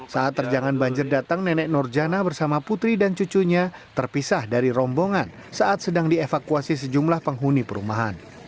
saat terjangan banjir datang nenek nur jana bersama putri dan cucunya terpisah dari rombongan saat sedang dievakuasi sejumlah penghuni perumahan